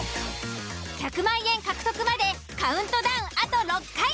１００万円獲得までカウントダウンあと６回。